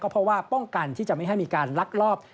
เพราะว่าป้องกันที่จะไม่ให้มีการลักลอบ